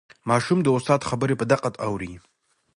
ماشوم د استاد خبرې په دقت اوري